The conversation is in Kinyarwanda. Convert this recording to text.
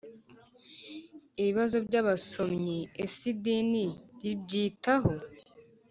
Ibibazo by abasomyi ese idini ribyitaho?